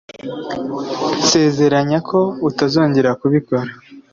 nsezeranya ko utazongera kubikora